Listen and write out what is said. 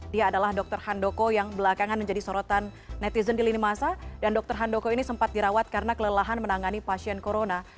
dia adalah dokter handoko yang belakangan menjadi sorotan netizen di lini masa dan dr handoko ini sempat dirawat karena kelelahan menangani pasien corona